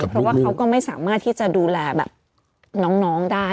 เพราะว่าเขาก็ไม่สามารถที่จะดูแลแบบน้องได้